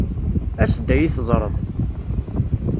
As-d ad iyi-teẓṛeḍ.